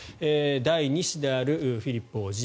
第２子であるフィリップ王子。